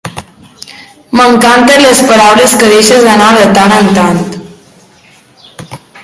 M'encanta les paraules que deixes anar de tant en tant.